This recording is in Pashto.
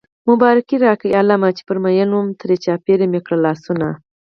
مبارکي راکړئ عالمه چې پرې مين وم ترې چاپېر مې کړل لاسونه